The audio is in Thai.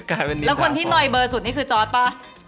แล้วคนที่หน่อยเบอร์สุดนี่คือจอร์ดป่ะ